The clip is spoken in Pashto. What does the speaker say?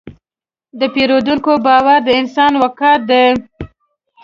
د پیرودونکي باور د انسان وقار دی.